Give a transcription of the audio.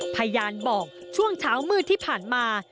พยานบอกช่วงเช้ามืดที่ผ่านมา